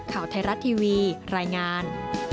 ข่าวไทยรัฐทีวีรายงาน